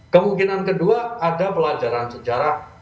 kemungkinan kedua ada pelajaran sejarah